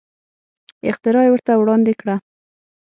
اختراع یې ورته وړاندې کړه.